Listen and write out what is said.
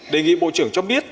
đề nghị bộ trưởng cho biết